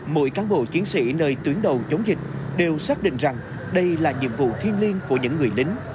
mỗi cán bộ chiến sĩ nơi tuyến đầu chống dịch đều xác định rằng đây là nhiệm vụ thiên liên của những người lính